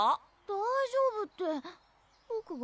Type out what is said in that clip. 大丈夫って僕が？